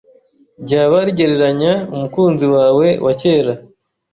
ryaba rigereranya umukunzi wawe wa kera